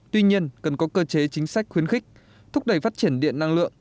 tuy nhiên cần có cơ chế chính sách khuyến khích thúc đẩy phát triển điện năng lượng